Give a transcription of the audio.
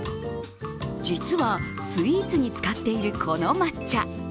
実は、スイーツに使っているこの抹茶。